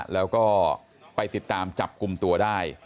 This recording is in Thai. แล้วก็ไปติดตามจับกลุ่มตัวได้